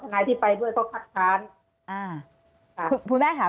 ไม่โอเคแล้วก็ชนายที่ไปด้วยก็พักท้าน